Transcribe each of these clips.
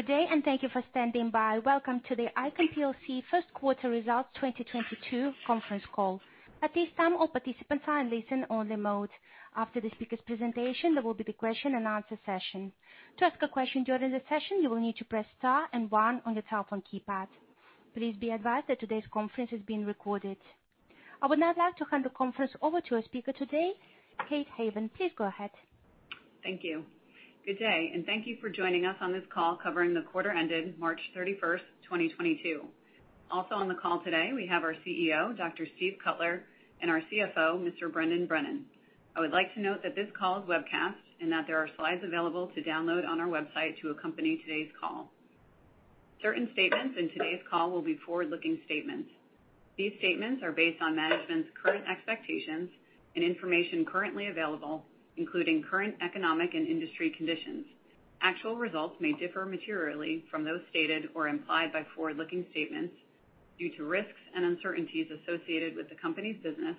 Good day, and thank you for standing by. Welcome to the ICON plc Q1 Results 2022 Conference Call. At this time, all participants are in listen only mode. After the speaker's presentation, there will be the question and answer session. To ask a question during the session, you will need to press Star and One on your telephone keypad. Please be advised that today's conference is being recorded. I would now like to hand the conference over to our speaker today, Kate Haven. Please go ahead. Thank you. Good day, and thank you for joining us on this call covering the quarter ended March 31st, 2022. Also on the call today, we have our CEO, Dr. Steve Cutler, and our CFO, Mr. Brendan Brennan. I would like to note that this call is webcast and that there are slides available to download on our website to accompany today's call. Certain statements in today's call will be forward-looking statements. These statements are based on management's current expectations and information currently available, including current economic and industry conditions. Actual results may differ materially from those stated or implied by forward-looking statements due to risks and uncertainties associated with the company's business,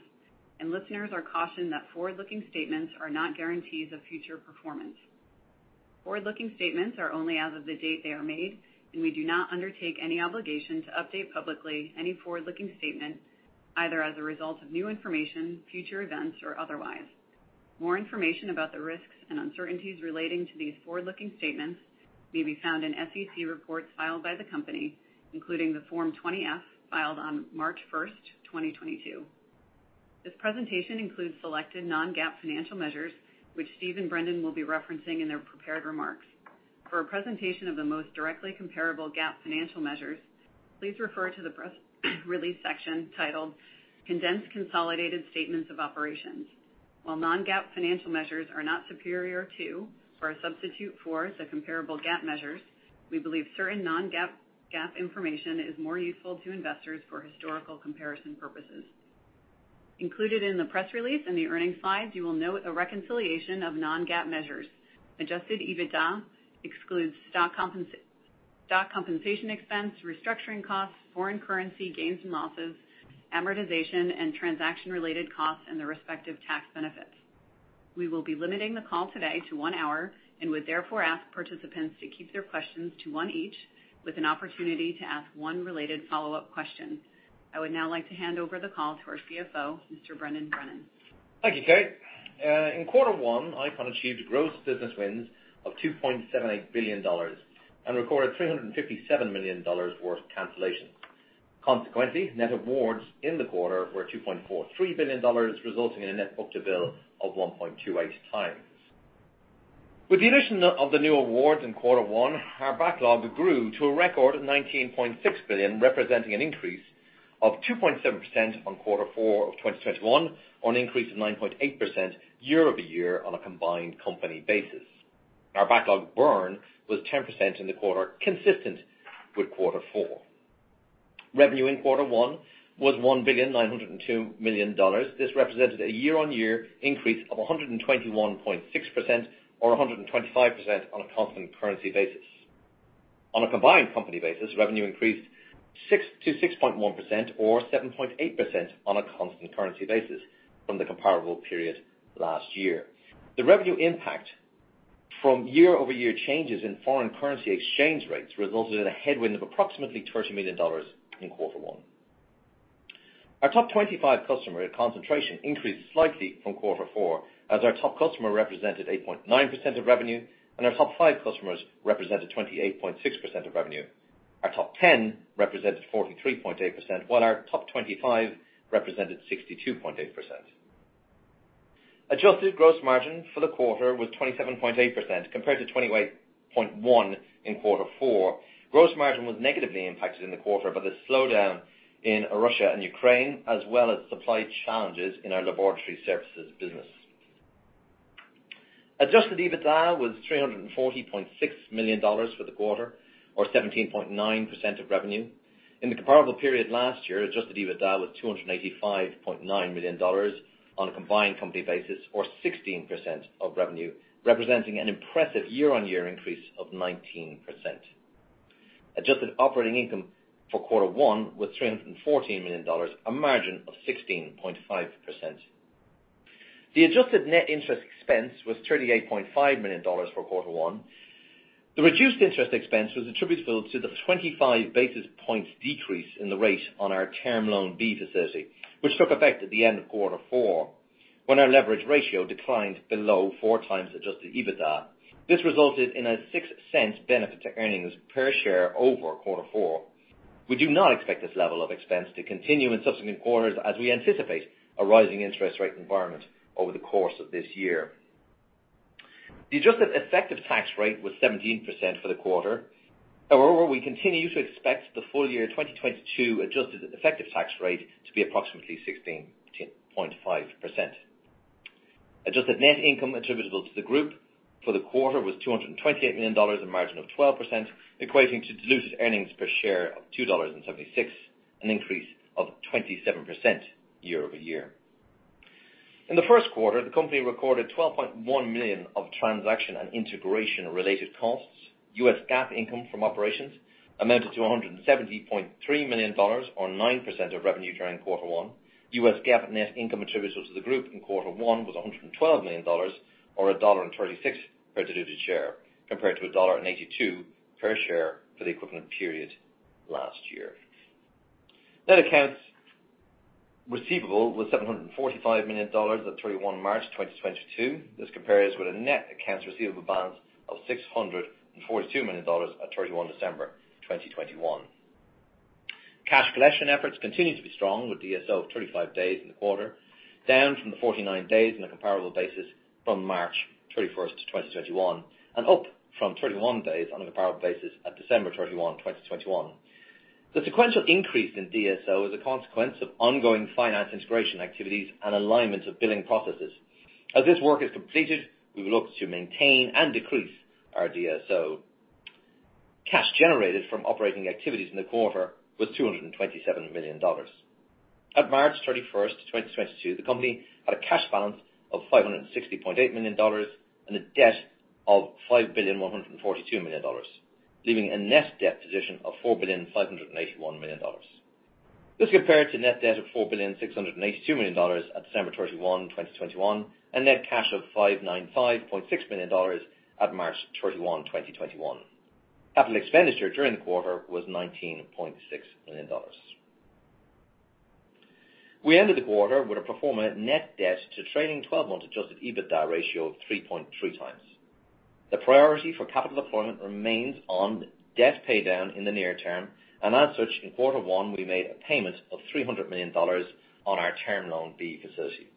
and listeners are cautioned that forward-looking statements are not guarantees of future performance. Forward-looking statements are only as of the date they are made, and we do not undertake any obligation to update publicly any forward-looking statement, either as a result of new information, future events, or otherwise. More information about the risks and uncertainties relating to these forward-looking statements may be found in SEC reports filed by the company, including the Form 20-F filed on March 1, 2022. This presentation includes selected non-GAAP financial measures, which Steve and Brendan will be referencing in their prepared remarks. For a presentation of the most directly comparable GAAP financial measures, please refer to the press release section titled Condensed Consolidated Statements of Operations. While non-GAAP financial measures are not superior to or a substitute for the comparable GAAP measures, we believe certain non-GAAP, GAAP information is more useful to investors for historical comparison purposes. Included in the press release and the earnings slides, you will note a reconciliation of non-GAAP measures. Adjusted EBITDA excludes stock compensation expense, restructuring costs, foreign currency gains and losses, amortization, and transaction-related costs, and their respective tax benefits. We will be limiting the call today to one hour and would therefore ask participants to keep their questions to one each with an opportunity to ask one related follow-up question. I would now like to hand over the call to our CFO, Mr. Brendan Brennan. Thank you, Kate. In Q1 ICON achieved gross business wins of $2.78 billion and recorded $357 million worth of cancellations. Consequently, net awards in the quarter were $2.43 billion, resulting in a net book-to-bill of 1.28x. With the addition of the new awards in Q1, our backlog grew to a record of $19.6 billion, representing an increase of 2.7% on Q4 of 2021, or an increase of 9.8% year-over-year on a combined company basis. Our backlog burn was 10% in the quarter, consistent with Q4. Revenue in Q1 was $1.902 billion. This represented a year-over-year increase of 121.6% or 125% on a constant currency basis. On a combined company basis, revenue increased 6-6.1% or 7.8% on a constant currency basis from the comparable period last year. The revenue impact from year-over-year changes in foreign currency exchange rates resulted in a headwind of approximately $30 million in Q1. Our top 25 customer concentration increased slightly from Q4 as our top customer represented 8.9% of revenue and our top five customers represented 28.6% of revenue. Our top 10 represented 43.8%, while our top 25 represented 62.8%. Adjusted gross margin for the quarter was 27.8% compared to 28.1% in Q4. Gross margin was negatively impacted in the quarter by the slowdown in Russia and Ukraine, as well as supply challenges in our laboratory services business. Adjusted EBITDA was $340.6 million for the quarter or 17.9% of revenue. In the comparable period last year, adjusted EBITDA was $285.9 million on a combined company basis or 16% of revenue, representing an impressive year-on-year increase of 19%. Adjusted operating income for Q1 was $314 million, a margin of 16.5%. The adjusted net interest expense was $38.5 million for Q1. The reduced interest expense was attributable to the 25 basis points decrease in the rate on our Term Loan B facility, which took effect at the end of Q4 when our leverage ratio declined below 4x adjusted EBITDA. This resulted in a $0.06 benefit to earnings per share over Q4. We do not expect this level of expense to continue in subsequent quarters as we anticipate a rising interest rate environment over the course of this year. The adjusted effective tax rate was 17% for the quarter. However, we continue to expect the full year 2022 adjusted effective tax rate to be approximately 16.5%. Adjusted net income attributable to the group for the quarter was $228 million, a margin of 12%, equating to diluted earnings per share of $2.76, an increase of 27% year-over-year. In the Q1, the company recorded $12.1 million of transaction and integration related costs. US GAAP income from operations amounted to $170.3 million or 9% of revenue during Q1. US GAAP net income attributable to the group in Q1 was $112 million, or $1.36 per diluted share, compared to $1.82 per share for the equivalent period last year. Net accounts receivable was $745 million at March 31, 2022. This compares with a net accounts receivable balance of $642 million at December 31, 2021. Cash collection efforts continue to be strong, with DSO of 35 days in the quarter, down from the 49 days on a comparable basis from March 31, 2021, and up from 31 days on a comparable basis at December 31, 2021. The sequential increase in DSO is a consequence of ongoing finance integration activities and alignment of billing processes. As this work is completed, we will look to maintain and decrease our DSO. Cash generated from operating activities in the quarter was $227 million. At March 31, 2022, the company had a cash balance of $560.8 million and a debt of $5.142 billion, leaving a net debt position of $4.581 billion. This compared to net debt of $4.682 billion at December 31, 2021, and net cash of $595.6 million at March 31, 2021. Capital expenditure during the quarter was $19.6 million. We ended the quarter with a pro forma net debt to trailing twelve-month adjusted EBITDA ratio of 3.3x. The priority for capital deployment remains on debt paydown in the near term, and as such, in Q1, we made a payment of $300 million on our Term Loan B facility.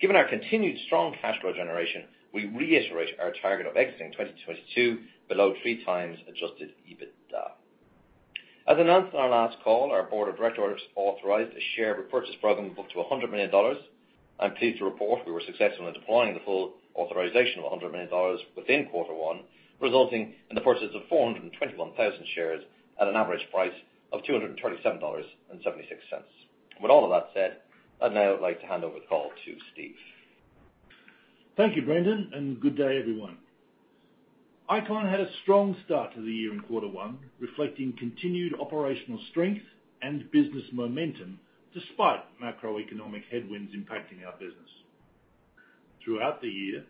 Given our continued strong cash flow generation, we reiterate our target of exiting 2022 below 3x adjusted EBITDA. As announced on our last call, our board of directors authorized a share repurchase program of up to $100 million. I'm pleased to report we were successful in deploying the full authorization of $100 million within Q1, resulting in the purchase of 421,000 shares at an average price of $237.76. With all of that said, I'd now like to hand over the call to Steve. Thank you, Brendan, and good day, everyone. ICON had a strong start to the year in Q1, reflecting continued operational strength and business momentum despite macroeconomic headwinds impacting our business. Throughout the year,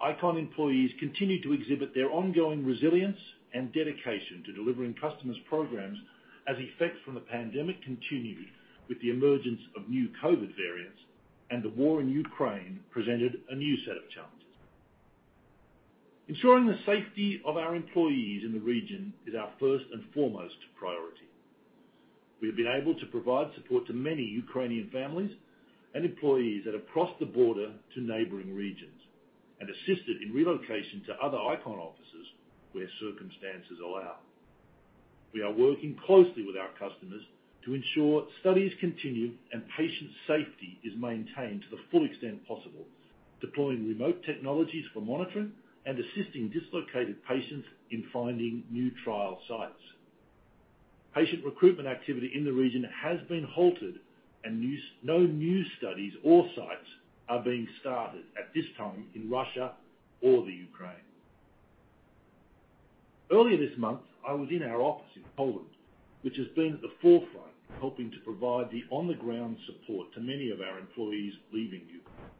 ICON employees continued to exhibit their ongoing resilience and dedication to delivering customers' programs as effects from the pandemic continued with the emergence of new COVID variants and the war in Ukraine presented a new set of challenges. Ensuring the safety of our employees in the region is our first and foremost priority. We have been able to provide support to many Ukrainian families and employees that have crossed the border to neighboring regions and assisted in relocation to other ICON offices where circumstances allow. We are working closely with our customers to ensure studies continue and patient safety is maintained to the full extent possible, deploying remote technologies for monitoring and assisting dislocated patients in finding new trial sites. Patient recruitment activity in the region has been halted and no new studies or sites are being started at this time in Russia or the Ukraine. Earlier this month, I was in our office in Poland, which has been at the forefront helping to provide the on-the-ground support to many of our employees leaving Ukraine.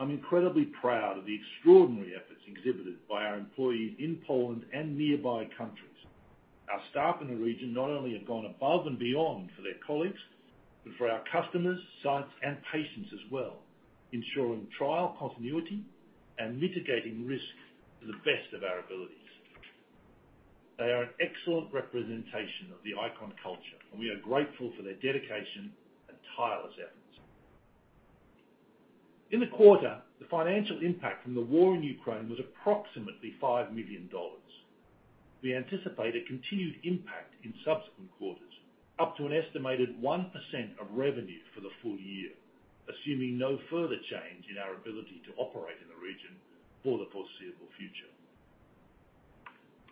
I'm incredibly proud of the extraordinary efforts exhibited by our employees in Poland and nearby countries. Our staff in the region not only have gone above and beyond for their colleagues, but for our customers, sites, and patients as well, ensuring trial continuity and mitigating risk to the best of our abilities. They are an excellent representation of the ICON culture, and we are grateful for their dedication and tireless efforts. In the quarter, the financial impact from the war in Ukraine was approximately $5 million. We anticipate a continued impact in subsequent quarters, up to an estimated 1% of revenue for the full year, assuming no further change in our ability to operate in the region for the foreseeable future.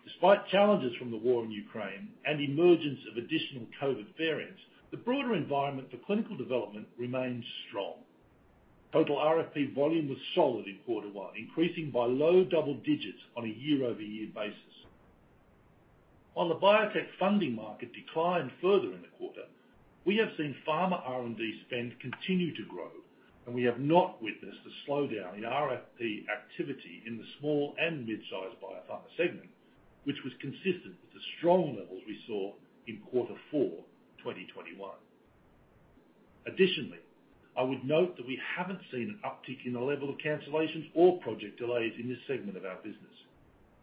Despite challenges from the war in Ukraine and the emergence of additional COVID variants, the broader environment for clinical development remains strong. Total RFP volume was solid in Q1, increasing by low double digits on a year-over-year basis. While the biotech funding market declined further in the quarter, we have seen pharma R&D spend continue to grow, and we have not witnessed a slowdown in RFP activity in the small and mid-sized biopharma segment, which was consistent with the strong levels we saw in Q4, 2021. Additionally, I would note that we haven't seen an uptick in the level of cancellations or project delays in this segment of our business.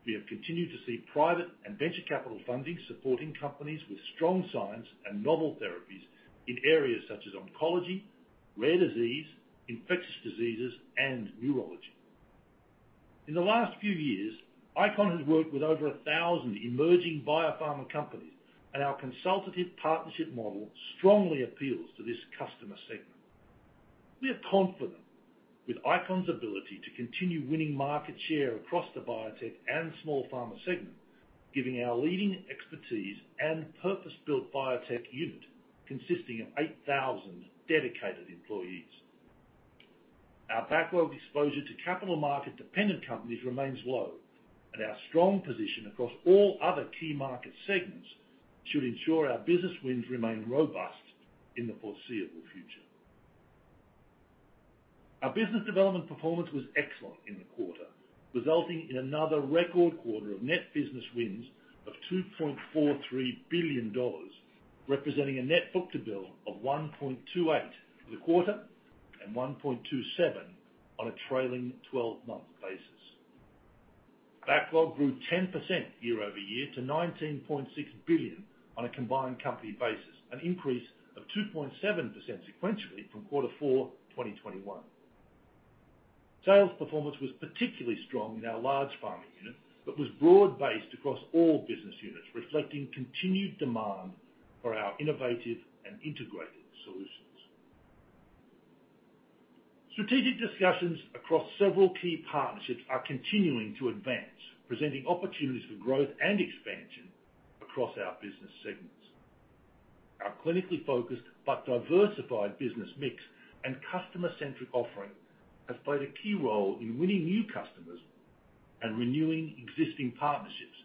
We have continued to see private and venture capital funding supporting companies with strong science and novel therapies in areas such as oncology, rare disease, infectious diseases, and neurology. In the last few years, ICON has worked with over 1,000 emerging biopharma companies, and our consultative partnership model strongly appeals to this customer segment. We are confident with ICON's ability to continue winning market share across the biotech and small pharma segment, giving our leading expertise and purpose-built biotech unit consisting of 8,000 dedicated employees. Our backlog exposure to capital market dependent companies remains low, and our strong position across all other key market segments should ensure our business wins remain robust in the foreseeable future. Our business development performance was excellent in the quarter, resulting in another record quarter of net business wins of $2.43 billion, representing a net book-to-bill of 1.28 for the quarter and 1.27 on a trailing twelve-month basis. Backlog grew 10% year-over-year to $19.6 billion on a combined company basis, an increase of 2.7% sequentially from Q4, 2021. Sales performance was particularly strong in our large pharma unit, but was broad-based across all business units, reflecting continued demand for our innovative and integrated solutions. Strategic discussions across several key partnerships are continuing to advance, presenting opportunities for growth and expansion across our business segments. Our clinically focused but diversified business mix and customer-centric offering have played a key role in winning new customers and renewing existing partnerships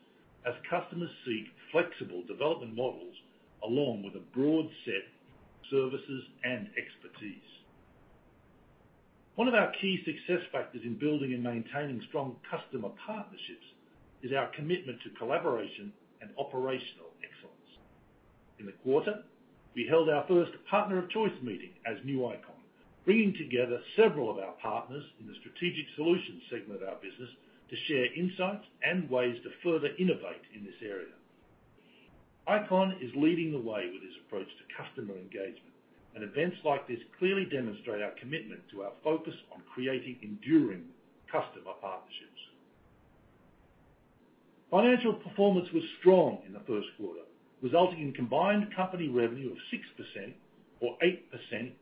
as customers seek flexible development models along with a broad set of services and expertise. One of our key success factors in building and maintaining strong customer partnerships is our commitment to collaboration and operational excellence. In the quarter, we held our first partner of choice meeting as new ICON, bringing together several of our partners in the strategic solutions segment of our business to share insights and ways to further innovate in this area. ICON is leading the way with its approach to customer engagement, and events like this clearly demonstrate our commitment to our focus on creating enduring customer partnerships. Financial performance was strong in the Q1, resulting in combined company revenue of 6% or 8%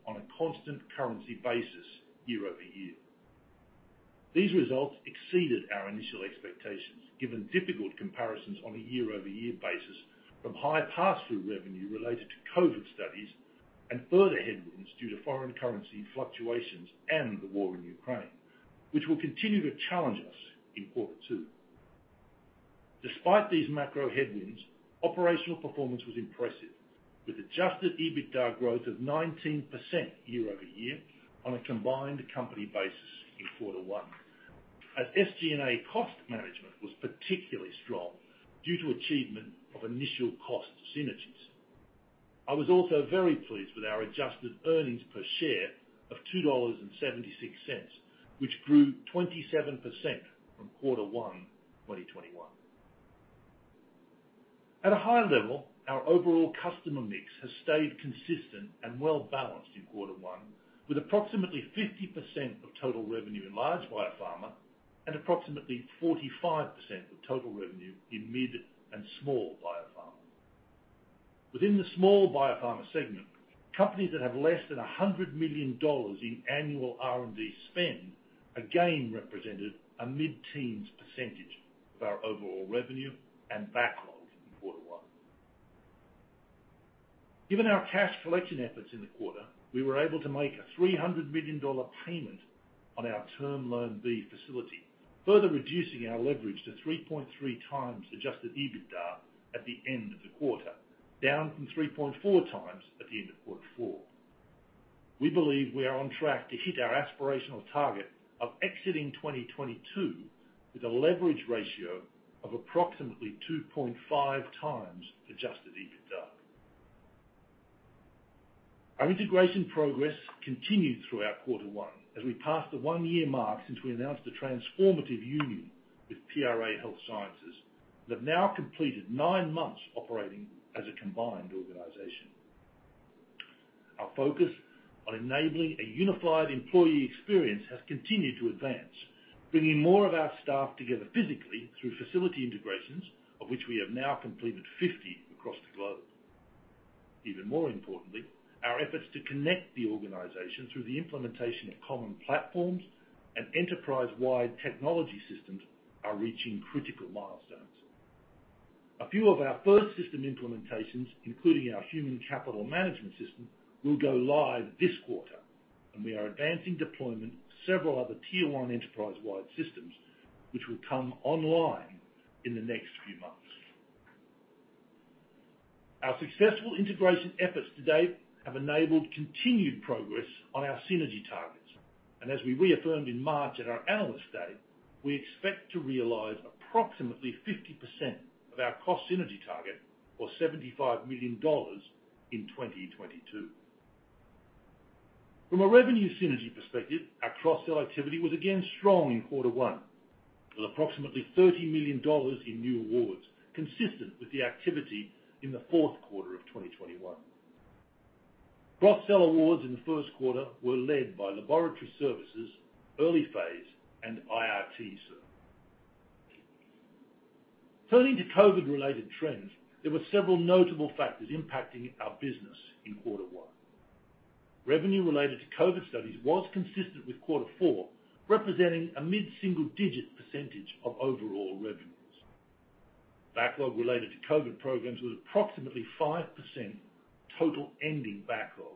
on a constant currency basis year-over-year. These results exceeded our initial expectations, given difficult comparisons on a year-over-year basis from high pass-through revenue related to COVID studies and further headwinds due to foreign currency fluctuations and the war in Ukraine, which will continue to challenge us in Q2. Despite these macro headwinds, operational performance was impressive, with adjusted EBITDA growth of 19% year-over-year on a combined company basis in Q1. At SG&A, cost management was particularly strong due to achievement of initial cost synergies. I was also very pleased with our adjusted earnings per share of $2.76, which grew 27% from Q1, 2021. At a high level, our overall customer mix has stayed consistent and well-balanced in Q1, with approximately 50% of total revenue in large biopharma and approximately 45% of total revenue in mid and small biopharma. Within the small biopharma segment, companies that have less than $100 million in annual R&D spend again represented a mid-teens percentage of our overall revenue and backlog in Q1. Given our cash collection efforts in the quarter, we were able to make a $300 million payment on our term loan B facility, further reducing our leverage to 3.3x adjusted EBITDA at the end of the quarter, down from 3.4x at the end of Q4. We believe we are on track to hit our aspirational target of exiting 2022 with a leverage ratio of approximately 2.5x adjusted EBITDA. Our integration progress continued throughout quarter one as we passed the one-year mark since we announced the transformative union with PRA Health Sciences. We have now completed nine months operating as a combined organization. Our focus on enabling a unified employee experience has continued to advance, bringing more of our staff together physically through facility integrations, of which we have now completed 50 across the globe. Even more importantly, our efforts to connect the organization through the implementation of common platforms and enterprise-wide technology systems are reaching critical milestones. A few of our first system implementations, including our human capital management system, will go live this quarter, and we are advancing deployment of several other tier one enterprise-wide systems, which will come online in the next few months. Our successful integration efforts to date have enabled continued progress on our synergy targets. As we reaffirmed in March at our Analyst Day, we expect to realize approximately 50% of our cost synergy target or $75 million in 2022. From a revenue synergy perspective, our cross-sell activity was again strong in Q1 with approximately $30 million in new awards, consistent with the activity in the q4 of 2021. Cross-sell awards in the Q1 were led by laboratory services, early phase, and IRT services. Turning to COVID-related trends, there were several notable factors impacting our business in Q1. Revenue related to COVID studies was consistent with Q4, representing a mid-single-digit percentage of overall revenue. Backlog related to COVID programs was approximately 5% total ending backlog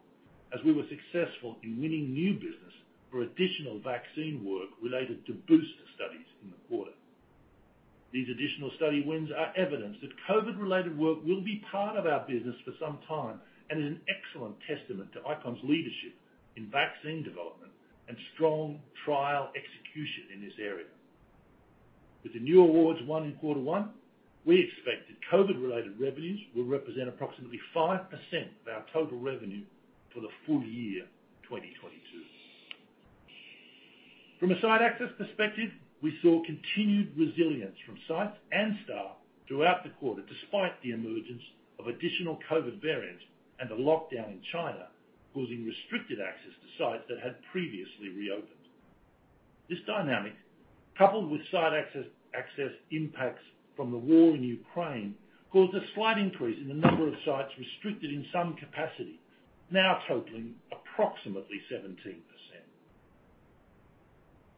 as we were successful in winning new business for additional vaccine work related to booster studies in the quarter. These additional study wins are evidence that COVID-related work will be part of our business for some time and is an excellent testament to ICON's leadership in vaccine development and strong trial execution in this area. With the new awards won in Q1, we expect that COVID-related revenues will represent approximately 5% of our total revenue for the full year 2022. From a site access perspective, we saw continued resilience from sites and staff throughout the quarter, despite the emergence of additional COVID variants and the lockdown in China, causing restricted access to sites that had previously reopened. This dynamic, coupled with site access impacts from the war in Ukraine, caused a slight increase in the number of sites restricted in some capacity, now totaling approximately 17%.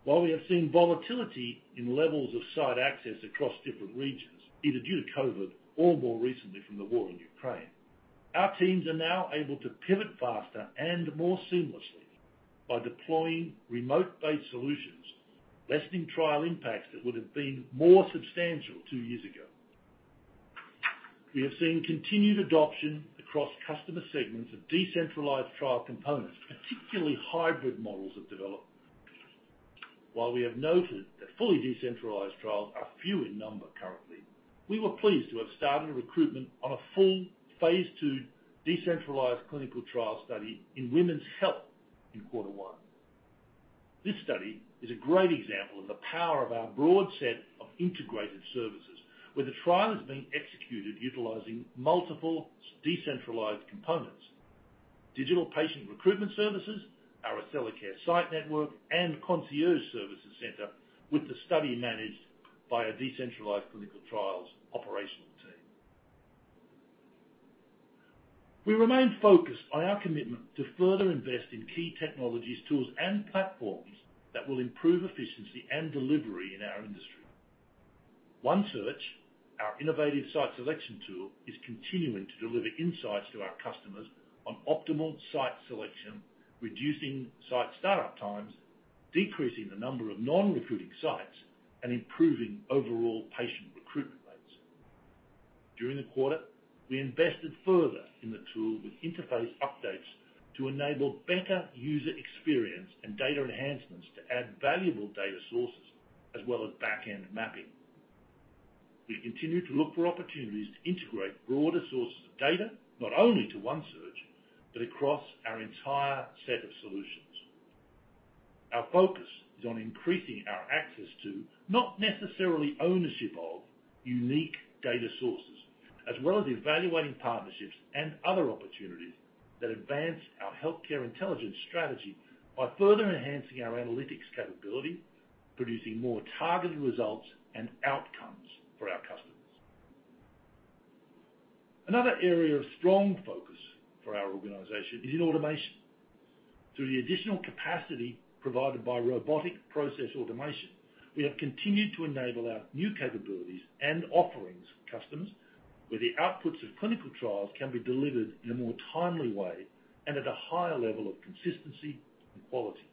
While we have seen volatility in levels of site access across different regions, either due to COVID or more recently from the war in Ukraine, our teams are now able to pivot faster and more seamlessly by deploying remote-based solutions, lessening trial impacts that would have been more substantial two years ago. We have seen continued adoption across customer segments of decentralized trial components, particularly hybrid models of development. While we have noted that fully decentralized trials are few in number currently, we were pleased to have started a recruitment on a full phase II decentralized clinical trial study in women's health in Q1. This study is a great example of the power of our broad set of integrated services, where the trial is being executed utilizing multiple decentralized components. Digital patient recruitment services, our AccelaCare site network, and concierge services center with the study managed by our decentralized clinical trials operational team. We remain focused on our commitment to further invest in key technologies, tools and platforms that will improve efficiency and delivery in our industry. OneSearch, our innovative site selection tool, is continuing to deliver insights to our customers on optimal site selection, reducing site startup times, decreasing the number of non-recruiting sites, and improving overall patient recruitment rates. During the quarter, we invested further in the tool with interface updates to enable better user experience and data enhancements to add valuable data sources, as well as back-end mapping. We continue to look for opportunities to integrate broader sources of data, not only to OneSearch, but across our entire set of solutions. Our focus is on increasing our access to, not necessarily ownership of, unique data sources, as well as evaluating partnerships and other opportunities that advance our healthcare intelligence strategy by further enhancing our analytics capability, producing more targeted results and outcomes for our customers. Another area of strong focus for our organization is in automation. Through the additional capacity provided by robotic process automation, we have continued to enable our new capabilities and offerings to customers, where the outputs of clinical trials can be delivered in a more timely way and at a higher level of consistency and quality.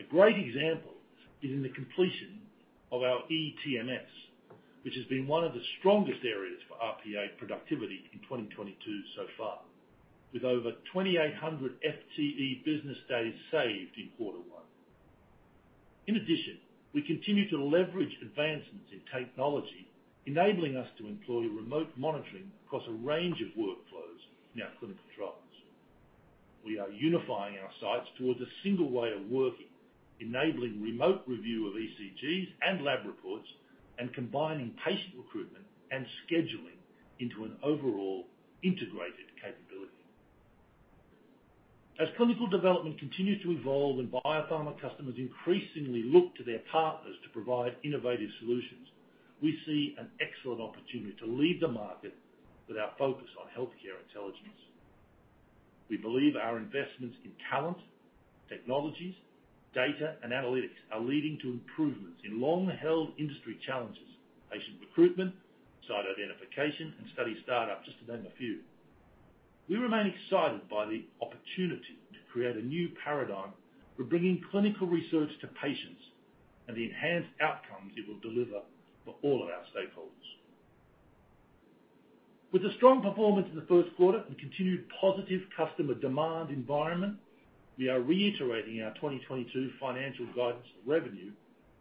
A great example is in the completion of our eTMF, which has been one of the strongest areas for RPA productivity in 2022 so far, with over 2,800 FTE business days saved in Q1. In addition, we continue to leverage advancements in technology, enabling us to employ remote monitoring across a range of workflows in our clinical trials. We are unifying our sites towards a single way of working, enabling remote review of ECGs and lab reports and combining patient recruitment and scheduling into an overall integrated capability. As clinical development continues to evolve and biopharma customers increasingly look to their partners to provide innovative solutions, we see an excellent opportunity to lead the market with our focus on healthcare intelligence. We believe our investments in talent, technologies, data, and analytics are leading to improvements in long-held industry challenges, patient recruitment, site identification, and study startup, just to name a few. We remain excited by the opportunity to create a new paradigm for bringing clinical research to patients and the enhanced outcomes it will deliver for all of our stakeholders. With a strong performance in the Q1 and continued positive customer demand environment, we are reiterating our 2022 financial guidance of revenue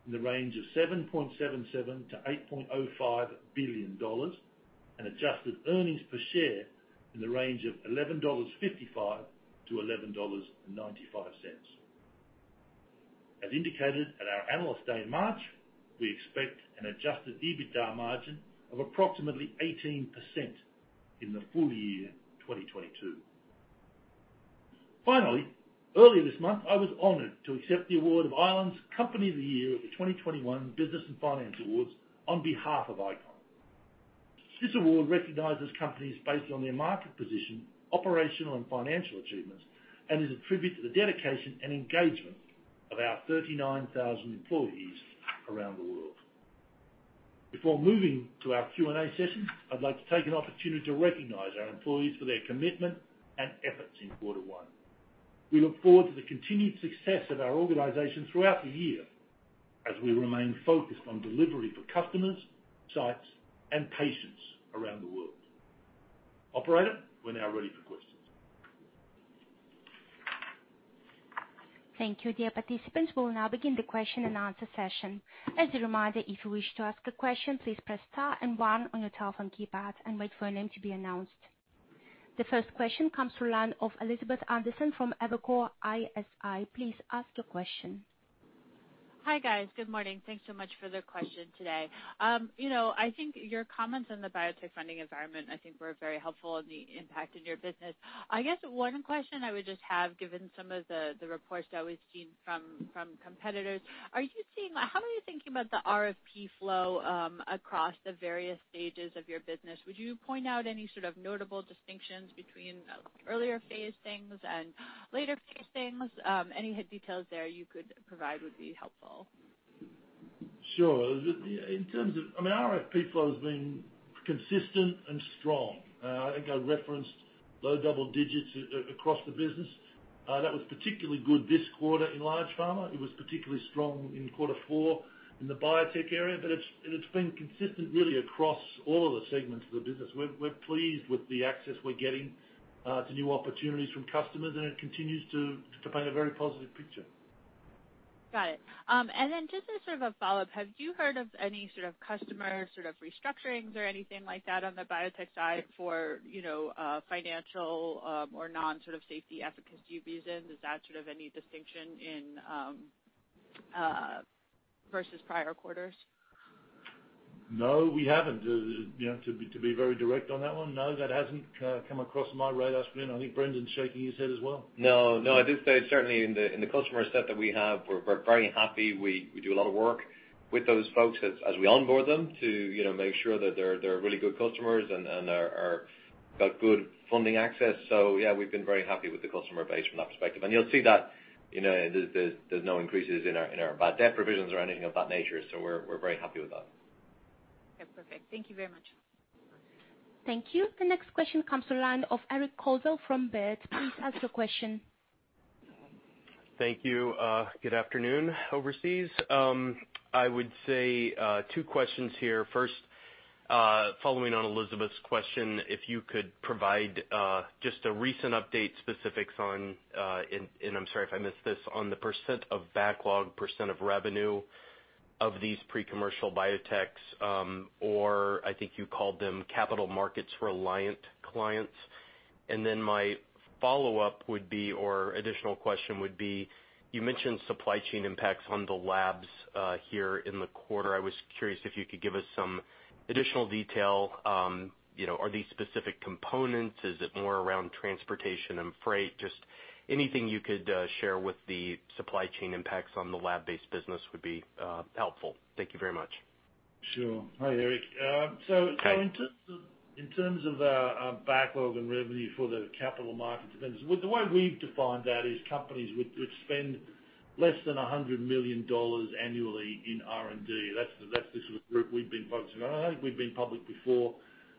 in the range of $7.77 billion-$8.05 billion and adjusted earnings per share in the range of $11.55-$11.95. As indicated at our Analyst Day in March, we expect an adjusted EBITDA margin of approximately 18% in the full year 2022. Finally, earlier this month, I was honored to accept the award of Ireland's Company of the Year at the 2021 Business & Finance Awards on behalf of ICON. This award recognizes companies based on their market position, operational and financial achievements, and is a tribute to the dedication and engagement of our 39,000 employees around the world. Before moving to our Q&A session, I'd like to take an opportunity to recognize our employees for their commitment and efforts in Q1. We look forward to the continued success of our organization throughout the year as we remain focused on delivery for customers, sites, and patients around the world. Operator, we're now ready for questions. Thank you, dear participants. We'll now begin the question and answer session. As a reminder, if you wish to ask a question, please press star and one on your telephone keypad and wait for your name to be announced. The first question comes from the line of Elizabeth Anderson from Evercore ISI. Please ask your question. Hi, guys. Good morning. Thanks so much for the question today. I think your comments on the biotech funding environment, I think, were very helpful in terms of the impact on your business. I guess one question I would just have, given some of the reports that we've seen from competitors, are you seeing? How are you thinking about the RFP flow across the various stages of your business? Would you point out any sort of notable distinctions between earlier phase things and later phase things? Any key details there you could provide would be helpful. Sure. In terms of, I mean, our RFP flow has been consistent and strong. I think I referenced low double digits across the business. That was particularly good this quarter in large pharma. It was particularly strong in Q4 in the biotech area, but it's been consistent really across all of the segments of the business. We're pleased with the access we're getting to new opportunities from customers, and it continues to paint a very positive picture. Got it. Just as sort of a follow-up, have you heard of any sort of customer sort of restructurings or anything like that on the biotech side for financial, or non sort of safety, efficacy reasons? Is that sort of any distinction versus prior quarters? No, we haven't. To be very direct on that one, no, that hasn't come across my radar screen. I think Brendan's shaking his head as well. No, no. I'd just say certainly in the customer set that we have, we're very happy. We do a lot of work with those folks as we onboard them to make sure that they're really good customers and are got good funding access. So yeah, we've been very happy with the customer base from that perspective. You'll see that there's no increases in our bad debt provisions or anything of that nature. So we're very happy with that. Okay, perfect. Thank you very much. Thank you. The next question comes to the line of Eric Coldwell from Baird. Please ask your question. Thank you. Good afternoon, overseas. I would say two questions here. First, following on Elizabeth's question, if you could provide just a recent update, specifics on, and I'm sorry if I missed this, on the percent of backlog, percent of revenue of these pre-commercial biotechs, or I think you called them capital markets reliant clients. My follow-up would be, or additional question would be, you mentioned supply chain impacts on the labs here in the quarter. I was curious if you could give us some additional detail. Are these specific components? Is it more around transportation and freight? Just anything you could share with the supply chain impacts on the lab-based business would be helpful. Thank you very much. Sure. Hi, Eric. Hi. In terms of our backlog and revenue for the capital markets dependent, well, the way we've defined that is companies which spend less than $100 million annually in R&D. That's the sort of group we've been focusing on. I think we've been public before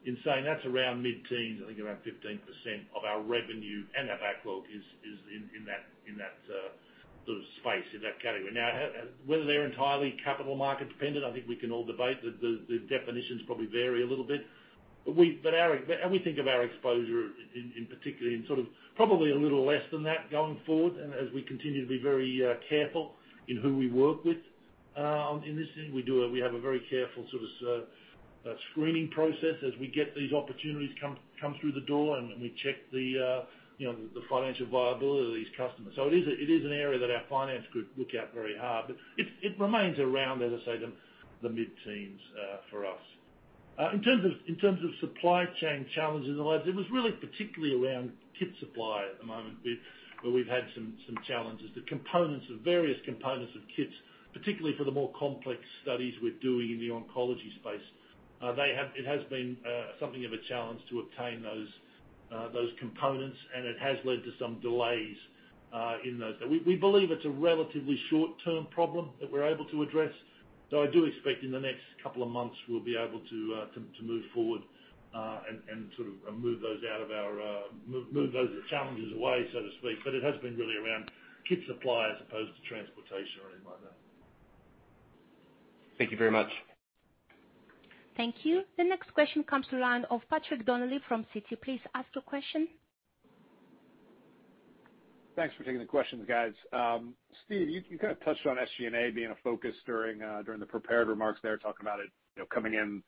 in saying that's around mid-teens, I think around 15% of our revenue and our backlog is in that sort of space, in that category. Now, whether they're entirely capital markets dependent, I think we can all debate. The definitions probably vary a little bit. We think of our exposure in particular in sort of probably a little less than that going forward and as we continue to be very careful in who we work with in this. We have a very careful sort of screening process as we get these opportunities come through the door, and we check the financial viability of these customers. It is an area that our finance group look at very hard. It remains around, as I say, the mid-teens for us. In terms of supply chain challenges in the labs, it was really particularly around kit supply at the moment with where we've had some challenges. The various components of kits, particularly for the more complex studies we're doing in the oncology space, it has been something of a challenge to obtain those components, and it has led to some delays in those. We believe it's a relatively short-term problem that we're able to address. I do expect in the next couple of months we'll be able to move forward and sort of move those challenges away, so to speak. It has been really around kit supply as opposed to transportation or anything like that. Thank you very much. Thank you. The next question comes from the line of Patrick Donnelly from Citi. Please ask your question. Thanks for taking the questions, guys. Steve, you kind of touched on SG&A being a focus during the prepared remarks there, talking about it coming in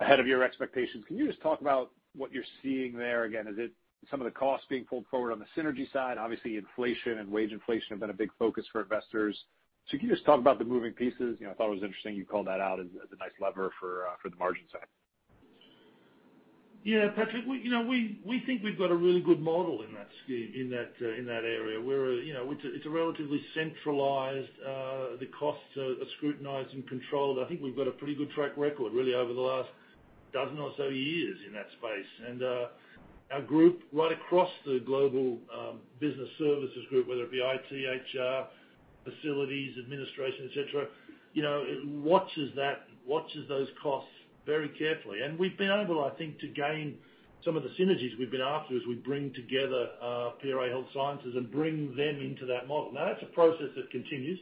ahead of your expectations. Can you just talk about what you're seeing there? Again, is it some of the costs being pulled forward on the synergy side? Obviously, inflation and wage inflation have been a big focus for investors. Can you just talk about the moving pieces? I thought it was interesting you called that out as a nice lever for the margin side. Yeah, Patrick we think we've got a really good model in that scheme, in that area where it's a relatively centralized the costs are scrutinized and controlled. I think we've got a pretty good track record really over the last dozen or so years in that space. Our group right across the global business services group, whether it be IT, HR, facilities, administration, et cetera, it watches those costs very carefully. We've been able, I think, to gain some of the synergies we've been after as we bring together PRA Health Sciences and bring them into that model. Now, that's a process that continues,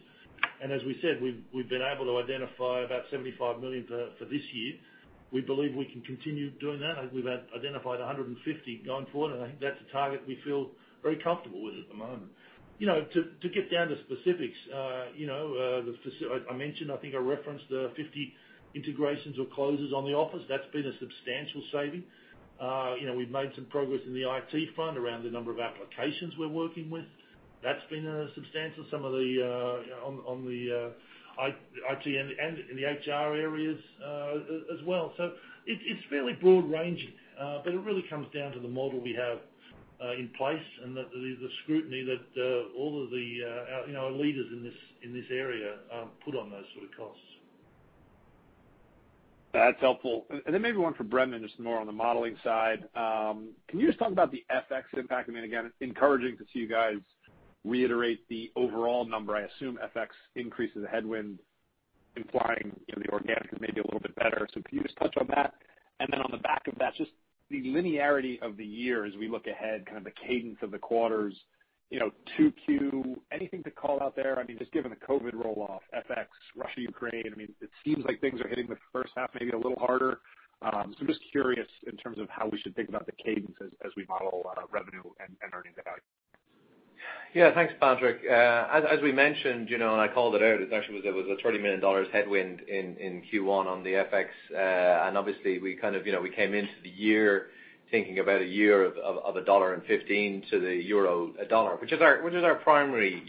and as we said, we've been able to identify about $75 million for this year. We believe we can continue doing that. I think we've identified 150 going forward, and I think that's a target we feel very comfortable with at the moment. To get down to specifics, I mentioned, I think I referenced the 50 integrations or closures of the office. That's been a substantial saving. We've made some progress in the IT front around the number of applications we're working with. That's been substantial. Some on the IT and in the HR areas, as well. It's fairly broad ranging, but it really comes down to the model we have in place and the scrutiny that all of our leaders in this area put on those sort of costs. That's helpful. Then maybe one for Brendan, just more on the modeling side. Can you just talk about the FX impact? I mean, again, encouraging to see you guys reiterate the overall number. I assume FX increases the headwind implying the organic is maybe a little bit better. Can you just touch on that? Then on the back of that, just the linearity of the year as we look ahead, kind of the cadence of the quarters, 2Q, anything to call out there? I mean, just given the COVID roll-off, FX, Russia, Ukraine, I mean, it seems like things are hitting the first half maybe a little harder. So I'm just curious in terms of how we should think about the cadence as we model revenue and earnings going. Yeah. Thanks, Patrick. As we mentioned and I called it out, it's actually a $30 million headwind in Q1 on the FX. Obviously we kind of came into the year thinking about a year of 1.15 to the euro dollar, which is our primary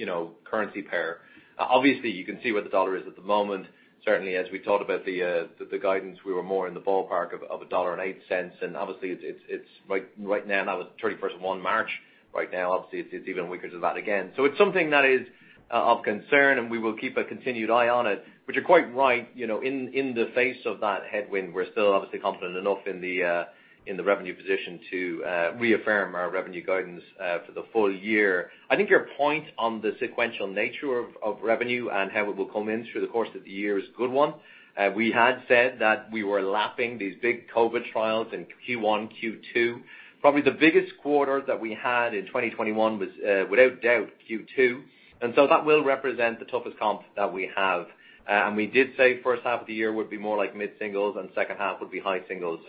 currency pair. Obviously, you can see where the dollar is at the moment. Certainly, as we thought about the guidance, we were more in the ballpark of 1.08. It's like right now, the 31st of March. Right now, obviously it's even weaker than that again. It's something that is of concern, and we will keep a continued eye on it. You're quite right in the face of that headwind, we're still obviously confident enough in the revenue position to reaffirm our revenue guidance for the full year. I think your point on the sequential nature of revenue and how it will come in through the course of the year is a good one. We had said that we were lapping these big COVID trials in Q1, Q2. Probably the biggest quarter that we had in 2021 was without doubt Q2, and so that will represent the toughest comp that we have. We did say first half of the year would be more like mid-singles, and second half would be high singles.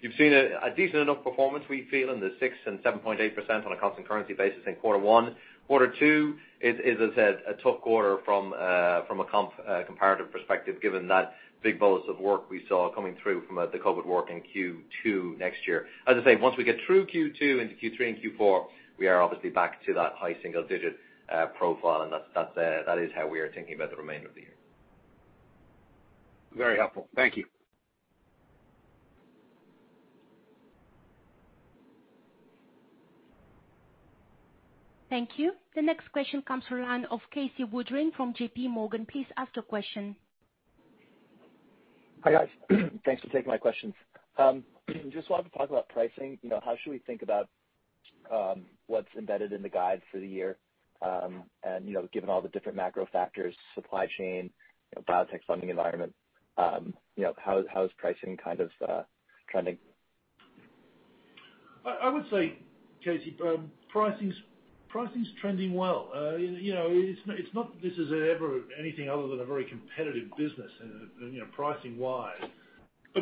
You've seen a decent enough performance, we feel, in the 6%-7.8% on a constant currency basis in Q1. Q2 is, as I said, a tough quarter from a comparative perspective, given that big bolus of work we saw coming through from the COVID work in Q2 next year. As I say, once we get through Q2 into Q3 and Q4, we are obviously back to that high single digit profile, and that is how we are thinking about the remainder of the year. Very helpful. Thank you. Thank you. The next question comes from the line of Casey Woodring from J.P. Morgan. Please ask your question. Hi, guys. Thanks for taking my questions. Just wanted to talk about pricing. How should we think about what's embedded in the guide for the year, and given all the different macro factors, supply chain, biotech funding environment, how is pricing kind of trending? I would say, Casey, pricing's trending well. It's not that this is ever anything other than a very competitive business and pricing-wise.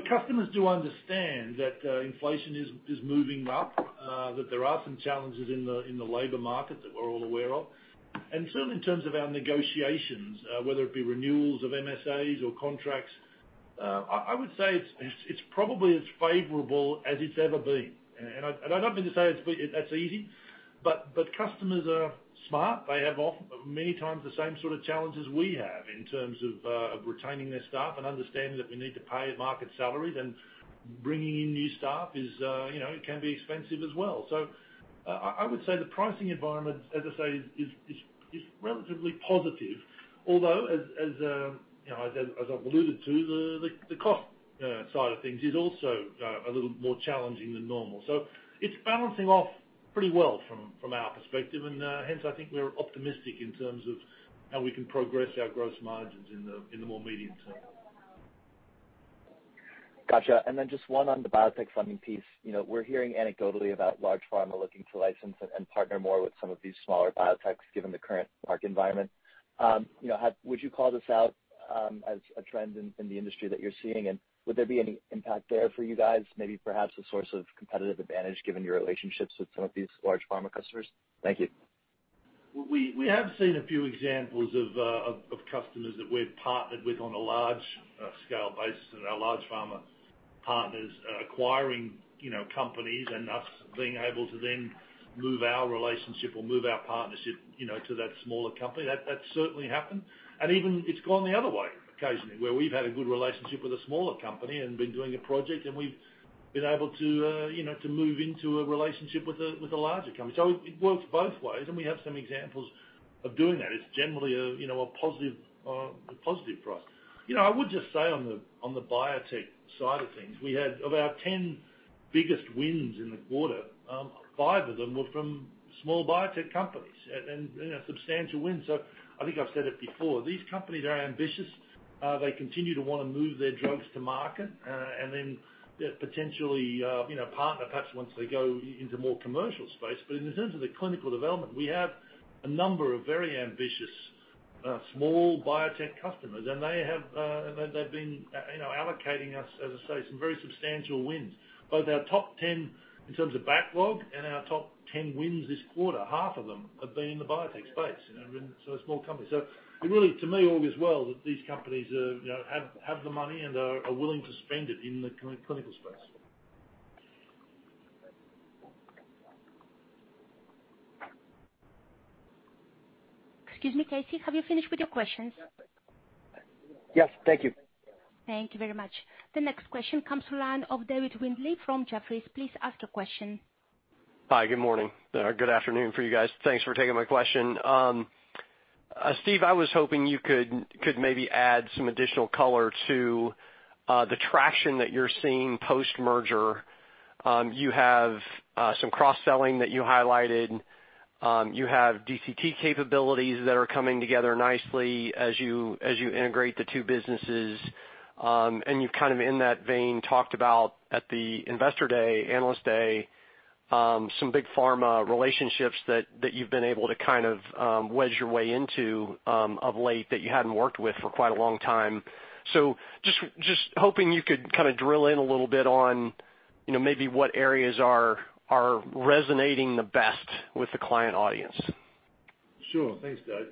Customers do understand that inflation is moving up, that there are some challenges in the labor market that we're all aware of. Certainly in terms of our negotiations, whether it be renewals of MSAs or contracts, I would say it's probably as favorable as it's ever been. I don't mean to say that's easy, but customers are smart. They have many times the same sort of challenges we have in terms of retaining their staff and understanding that we need to pay market salaries and bringing in new staff is it can be expensive as well. I would say the pricing environment, as I say, is relatively positive, although as I've alluded to, the cost side of things is also a little more challenging than normal. It's balancing off pretty well from our perspective. Hence, I think we're optimistic in terms of how we can progress our gross margins in the more medium term. Gotcha. Just one on the biotech funding piece. We're hearing anecdotally about large pharma looking to license and partner more with some of these smaller biotechs given the current market environment. Would you call this out as a trend in the industry that you're seeing? Would there be any impact there for you guys, maybe perhaps a source of competitive advantage given your relationships with some of these large pharma customers? Thank you. We have seen a few examples of customers that we've partnered with on a large scale basis and our large pharma partners acquiring companies and us being able to then move our relationship or move our partnership to that smaller company. That certainly happened. Even it's gone the other way occasionally, where we've had a good relationship with a smaller company and been doing a project, and we've been able to move into a relationship with a larger company. It works both ways, and we have some examples of doing that. It's generally a positive for us. I would just say on the biotech side of things, we had about 10 biggest wins in the quarter. Five of them were from small biotech companies and substantial wins. I think I've said it before, these companies are ambitious. They continue to wanna move their drugs to market, and then they potentially you know, partner perhaps once they go into more commercial space. In terms of the clinical development, we have a number of very ambitious small biotech customers, and they have been you know, allocating us, as I say, some very substantial wins. Both our top 10 in terms of backlog and our top 10 wins this quarter, half of them have been in the biotech space, you know, and so a small company. It really to me augurs well that these companies you know, have the money and are willing to spend it in the clinical space. Excuse me, Casey. Have you finished with your questions? Yes. Thank you. Thank you very much. The next question comes from the line of David Windley from Jefferies. Please ask your question. Hi. Good morning. Good afternoon for you guys. Thanks for taking my question. Steve, I was hoping you could maybe add some additional color to the traction that you're seeing post-merger. You have some cross-selling that you highlighted. You have DCT capabilities that are coming together nicely as you integrate the two businesses. You've kind of in that vein talked about at the Investor Day, Analyst Day, some big pharma relationships that you've been able to kind of wedge your way into of late that you hadn't worked with for quite a long time. Just hoping you could kinda drill in a little bit on, you know, maybe what areas are resonating the best with the client audience. Sure. Thanks, Dave.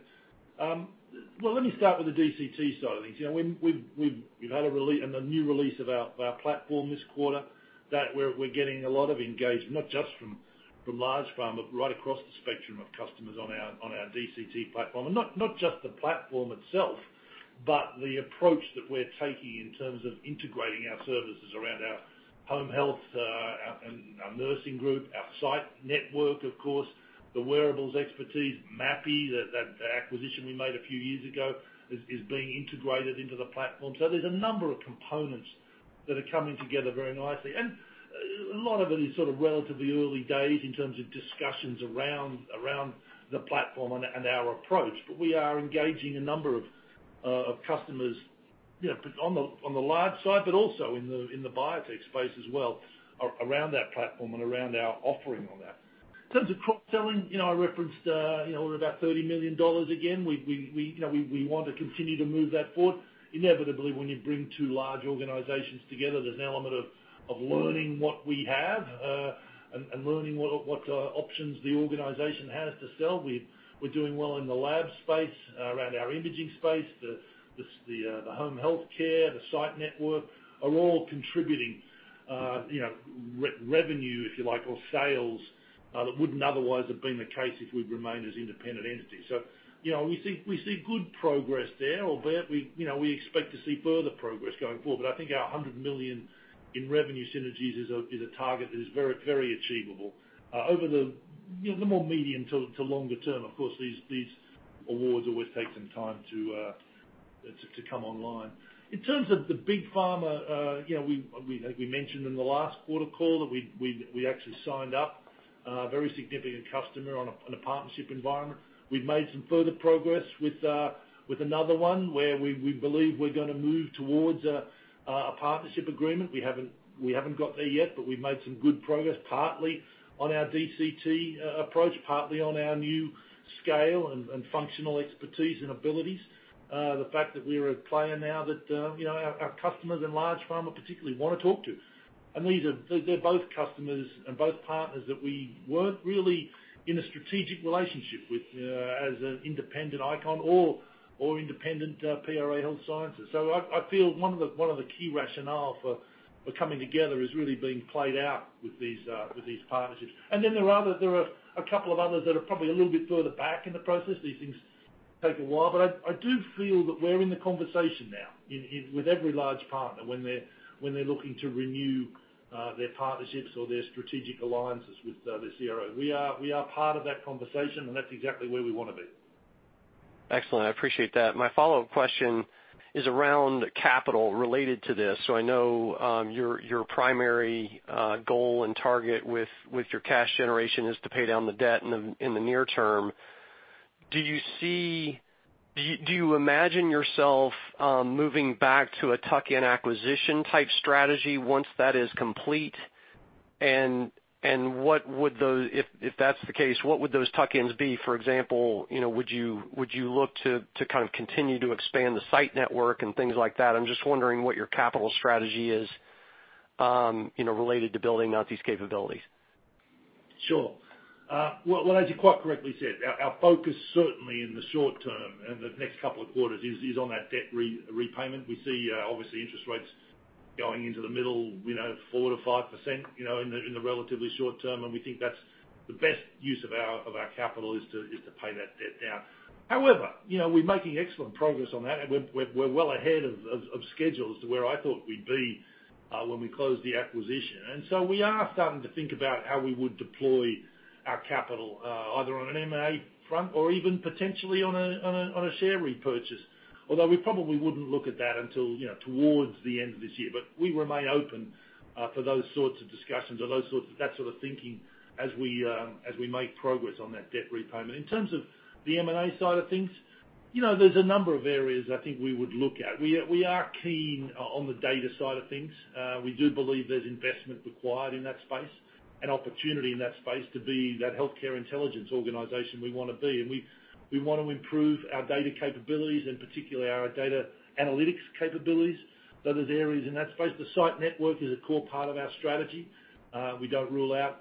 Well, let me start with the DCT side of things. You know, we've had a new release of our platform this quarter that we're getting a lot of engagement, not just from large pharma, but right across the spectrum of customers on our DCT platform. Not just the platform itself, but the approach that we're taking in terms of integrating our services around our home health, our nursing group, our site network, of course, the wearables expertise. Mapi, the acquisition we made a few years ago is being integrated into the platform. There's a number of components that are coming together very nicely. A lot of it is sort of relatively early days in terms of discussions around the platform and our approach. We are engaging a number of customers, you know, on the large side, but also in the biotech space as well around that platform and around our offering on that. In terms of cross-selling, you know, I referenced, you know, we're about $30 million again. We, you know, we want to continue to move that forward. Inevitably, when you bring two large organizations together, there's an element of learning what we have and learning what options the organization has to sell. We're doing well in the lab space around our imaging space. The home healthcare, the site network are all contributing, you know, revenue, if you like, or sales that wouldn't otherwise have been the case if we'd remained as independent entities. You know, we see good progress there. You know, we expect to see further progress going forward, but I think our $100 million in revenue synergies is a target that is very, very achievable, you know, over the more medium- to longer-term. Of course, these awards always take some time to come online. In terms of big pharma, you know, we mentioned in the last quarter call that we actually signed up a very significant customer on a partnership environment. We've made some further progress with another one where we believe we're gonna move towards a partnership agreement. We haven't got there yet, but we've made some good progress, partly on our DCT approach, partly on our new scale and functional expertise and abilities. The fact that we're a player now that you know, our customers and large pharma particularly wanna talk to. These are. They're both customers and both partners that we weren't really in a strategic relationship with as an independent ICON or independent PRA Health Sciences. I feel one of the key rationale for coming together is really being played out with these partnerships. Then there are a couple of others that are probably a little bit further back in the process. These things take a while. I do feel that we're in the conversation now with every large partner when they're looking to renew their partnerships or their strategic alliances with the CRO. We are part of that conversation, and that's exactly where we wanna be. Excellent. I appreciate that. My follow-up question is around capital related to this. I know your primary goal and target with your cash generation is to pay down the debt in the near term. Do you imagine yourself moving back to a tuck-in acquisition type strategy once that is complete? What would... If that's the case, what would those tuck-ins be? For example, you know, would you look to kind of continue to expand the site network and things like that? I'm just wondering what your capital strategy is, you know, related to building out these capabilities. Sure. Well, as you quite correctly said, our focus certainly in the short term and the next couple of quarters is on that debt repayment. We see obviously interest rates going into the middle 4%-5% in the relatively short term. We think that's the best use of our capital to pay that debt down. However, you know, we're making excellent progress on that and we're well ahead of schedule as to where I thought we'd be when we closed the acquisition. We are starting to think about how we would deploy our capital either on an M&A front or even potentially on a share repurchase. Although we probably wouldn't look at that until, you know, towards the end of this year. We remain open for those sorts of discussions or that sort of thinking as we make progress on that debt repayment. In terms of the M&A side of things, you know, there's a number of areas I think we would look at. We are keen on the data side of things. We do believe there's investment required in that space and opportunity in that space to be that healthcare intelligence organization we wanna be. We wanna improve our data capabilities, and particularly our data analytics capabilities. So there's areas in that space. The site network is a core part of our strategy. We don't rule out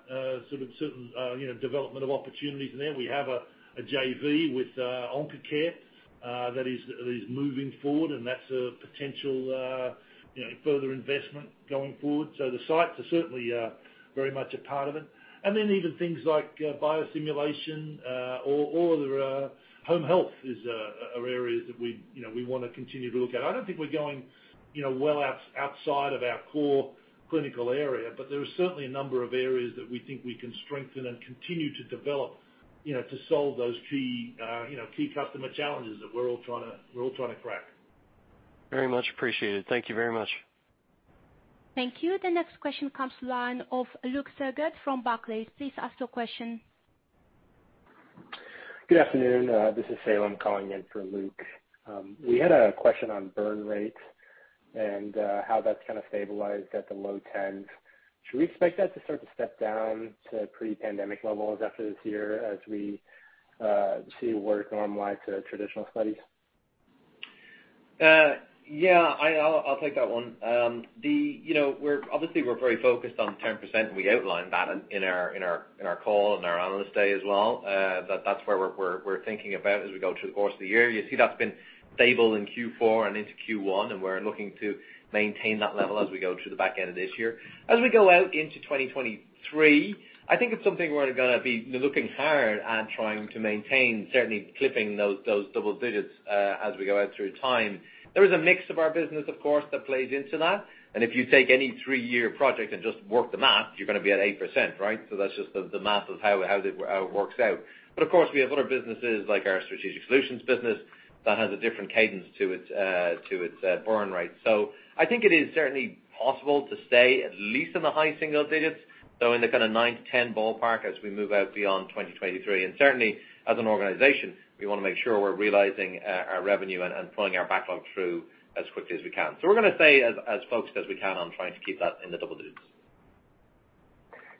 sort of certain, you know, development of opportunities there. We have a JV with OncoCare that is moving forward, and that's a potential you know further investment going forward. The sites are certainly very much a part of it. Then even things like biosimulation or other home health are areas that we you know we wanna continue to look at. I don't think we're going you know well outside of our core clinical area, but there are certainly a number of areas that we think we can strengthen and continue to develop you know to solve those key customer challenges that we're all trying to crack. Very much appreciated. Thank you very much. Thank you. The next question comes from the line of Luke Sergott from Barclays. Please ask your question. Good afternoon, this is Salem calling in for Luke. We had a question on burn rates and how that's kind of stabilized at the low tens. Should we expect that to start to step down to pre-pandemic levels after this year as we see work normalize to traditional studies? Yeah. I'll take that one. You know, we're obviously very focused on the 10%, and we outlined that in our call and our analyst day as well. That's where we're thinking about as we go through the course of the year. You see that's been stable in Q4 and into Q1, and we're looking to maintain that level as we go through the back end of this year. As we go out into 2023, I think it's something we're gonna be looking hard at trying to maintain, certainly clipping those double digits, as we go out through time. There is a mix of our business of course that plays into that, and if you take any three-year project and just work the math, you're gonna be at 8%, right? That's just the math of how it works out. Of course we have other businesses like our strategic solutions business that has a different cadence to its burn rate. I think it is certainly possible to stay at least in the high single digits, so in the kinda nine-10 ballpark as we move out beyond 2023. Certainly as an organization, we wanna make sure we're realizing our revenue and pulling our backlog through as quickly as we can. We're gonna stay as focused as we can on trying to keep that in the double digits.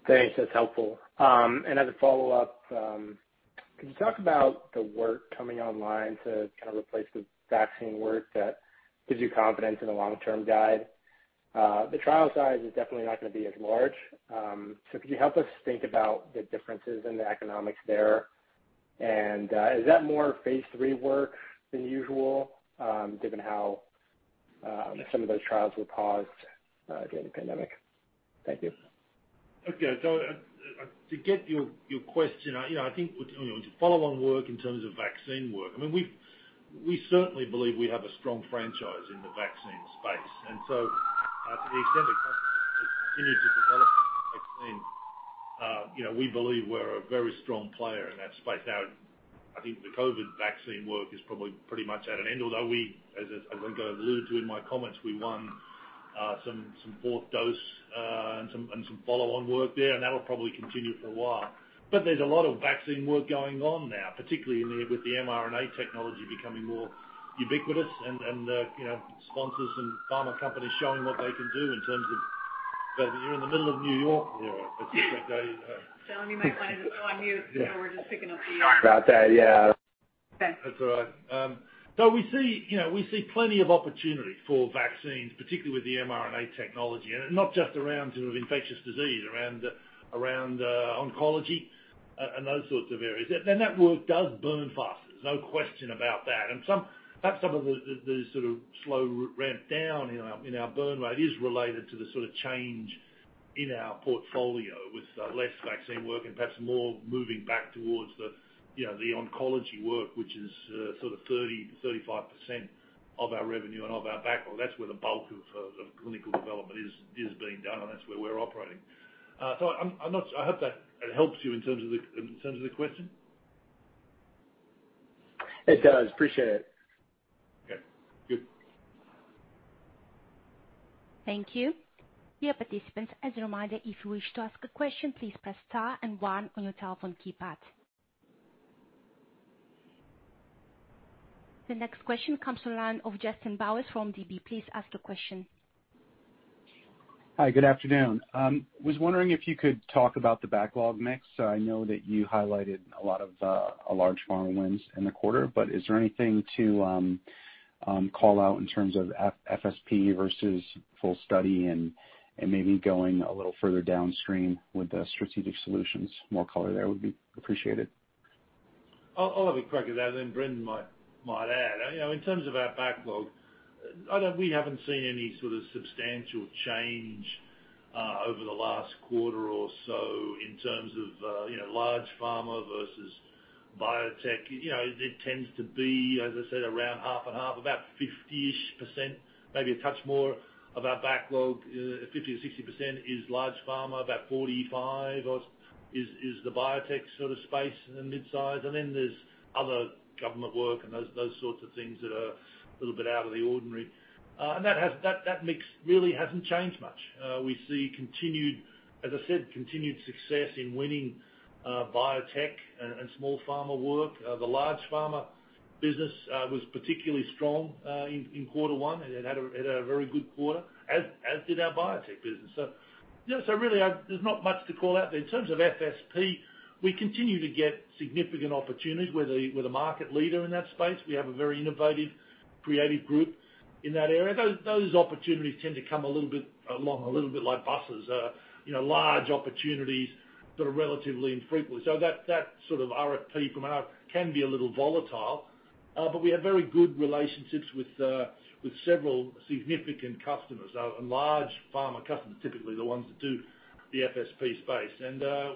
Thanks. That's helpful. As a follow-up, can you talk about the work coming online to kind of replace the vaccine work that gives you confidence in the long-term guide? The trial size is definitely not gonna be as large. Could you help us think about the differences in the economics there? Is that more phase three work than usual, given how some of those trials were paused during the pandemic? Thank you. Okay. To get your question, you know, to follow on work in terms of vaccine work, I mean, we certainly believe we have a strong franchise in the vaccine space. To the extent that customers continue to develop vaccine, you know, we believe we're a very strong player in that space. Now, I think the COVID vaccine work is probably pretty much at an end, although we, as I kind of alluded to in my comments, we won some fourth dose and some follow-on work there, and that'll probably continue for a while. There's a lot of vaccine work going on now, particularly with the mRNA technology becoming more ubiquitous and, you know, sponsors and pharma companies showing what they can do in terms of. You're in the middle of New York here. It's a great day. Salem, you might want to go on mute. You know, we're just picking up the. Sorry about that, yeah. Okay. That's all right. We see, you know, we see plenty of opportunities for vaccines, particularly with the mRNA technology, and not just around sort of infectious disease. Around oncology and those sorts of areas. That work does burn faster, there's no question about that. Perhaps some of the sort of slow ramp down in our burn rate is related to the sort of change in our portfolio with less vaccine work and perhaps more moving back towards the, you know, the oncology work, which is sort of 30%-35% of our revenue and of our backlog. That's where the bulk of clinical development is being done, and that's where we're operating. I hope that it helps you in terms of the question. It does. Appreciate it. Okay. Good. Thank you. Dear participants, as a reminder, if you wish to ask a question, please press star and one on your telephone keypad. The next question comes to the line of Justin Bowers from DB. Please ask the question. Hi, good afternoon. Was wondering if you could talk about the backlog mix. I know that you highlighted a lot of large funnel wins in the quarter, but is there anything to call out in terms of FSP versus full study and maybe going a little further downstream with the strategic solutions? More color there would be appreciated. I'll have a crack at that, and then Brendan might add. You know, in terms of our backlog, we haven't seen any sort of substantial change over the last quarter or so in terms of you know, large pharma versus biotech. You know, it tends to be, as I said, around half and half, about 50-ish%, maybe a touch more of our backlog. 50%-60% is large pharma. About 45% is the biotech sort of space and mid-size. Then there's other government work and those sorts of things that are a little bit out of the ordinary. That mix really hasn't changed much. We see continued success in winning biotech and small pharma work. The large pharma business was particularly strong in Q1, and it had a very good quarter, as did our biotech business. Yeah, really there's not much to call out there. In terms of FSP, we continue to get significant opportunities. We're the market leader in that space. We have a very innovative, creative group in that area. Those opportunities tend to come a little bit along, a little bit like buses. You know, large opportunities that are relatively infrequent. That sort of RFP can be a little volatile. But we have very good relationships with several significant customers, and large pharma customers, typically the ones that do the FSP space.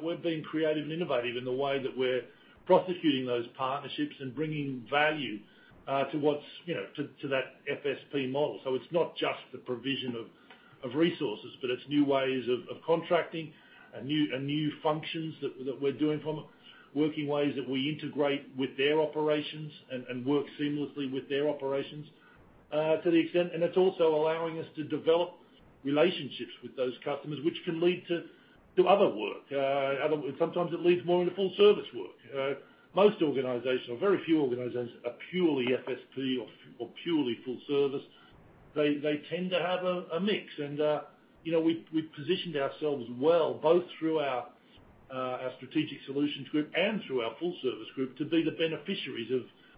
We're being creative and innovative in the way that we're prosecuting those partnerships and bringing value to what, you know, to that FSP model. It's not just the provision of resources, but it's new ways of contracting and new functions that we're doing from it, working ways that we integrate with their operations and work seamlessly with their operations to the extent. It's also allowing us to develop relationships with those customers, which can lead to other work, sometimes it leads more into full service work. Very few organizations are purely FSP or purely full service. They tend to have a mix. You know, we've positioned ourselves well both through our strategic solutions group and through our full service group to be the beneficiaries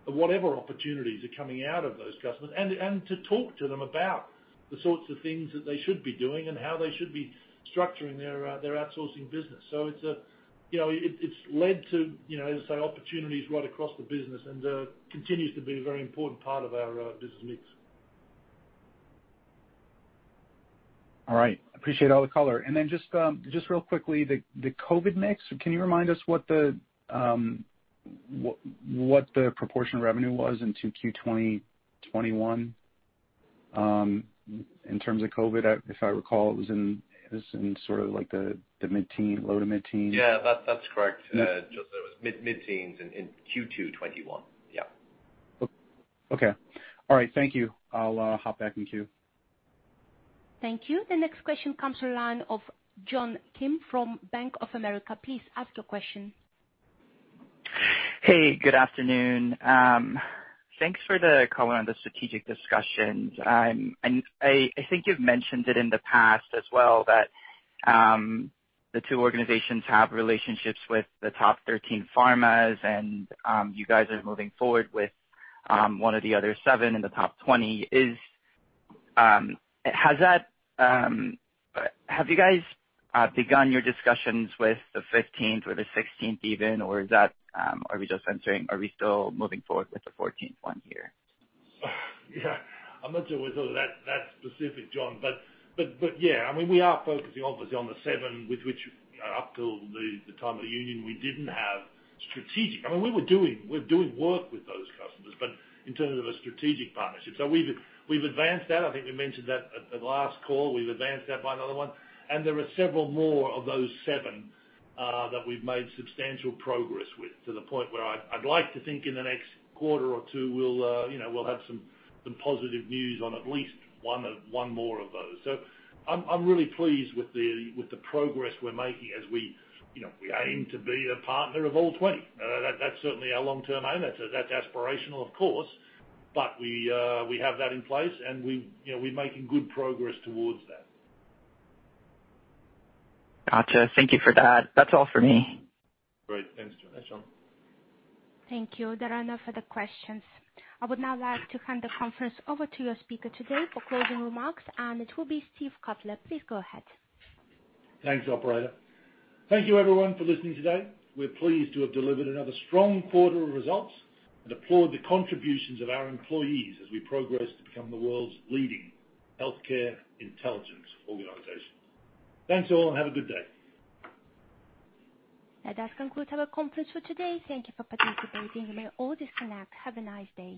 of whatever opportunities are coming out of those customers, and to talk to them about the sorts of things that they should be doing and how they should be structuring their outsourcing business. It's led to, you know, as I say, opportunities right across the business and continues to be a very important part of our business mix. All right. Appreciate all the color. Just real quickly, the COVID mix, can you remind us what the proportion of revenue was in 2Q 2021? In terms of COVID, if I recall, it was in sort of like the mid-teens, low- to mid-teens%. Yeah. That's correct, Joseph. It was mid-teens in Q2 2021. Yeah. Okay. All right. Thank you. I'll hop back in queue. Thank you. The next question comes to the line of John Kim from Bank of America. Please ask your question. Hey, good afternoon. Thanks for the color on the strategic discussions. I think you've mentioned it in the past as well that the two organizations have relationships with the top 13 pharmas and you guys are moving forward with one of the other seven in the top 20. Have you guys begun your discussions with the fifteenth or the sixteenth even, or is that, are we just answering, are we still moving forward with the fourteenth one here? Yeah. I'm not sure we're sort of that specific, John, but yeah, I mean, we are focusing obviously on the seven with which up till the time of the union we didn't have strategic. I mean, we're doing work with those customers, but in terms of a strategic partnership. We've advanced that. I think we mentioned that at the last call. We've advanced that by another one, and there are several more of those seven that we've made substantial progress with, to the point where I'd like to think in the next quarter or two we'll, you know, we'll have some positive news on at least one more of those. I'm really pleased with the progress we're making as we, you know, we aim to be a partner of all 20. That's certainly our long-term aim. That's aspirational of course, but we have that in place and we, you know, we're making good progress towards that. Gotcha. Thank you for that. That's all for me. Great. Thanks, John. Thanks, John. Thank you. There are no further questions. I would now like to hand the conference over to your speaker today for closing remarks, and it will be Steve Cutler. Please go ahead. Thanks, operator. Thank you everyone for listening today. We're pleased to have delivered another strong quarter of results and applaud the contributions of our employees as we progress to become the world's leading healthcare intelligence organization. Thanks all, and have a good day. That does conclude our conference for today. Thank you for participating. You may all disconnect. Have a nice day.